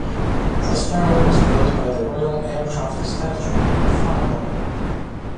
Prospero was built by the Royal Aircraft Establishment in Farnborough.